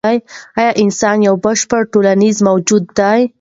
ایا انسان یو بشپړ ټولنیز موجود دی؟